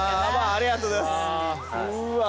ありがとうございます。